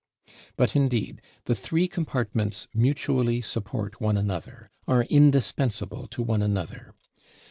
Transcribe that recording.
But indeed the Three compartments mutually support one another, are indispensable to one another.